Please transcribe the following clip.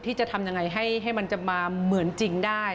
ที่จะทำยังไงให้มันจะมาเหมือนจริงได้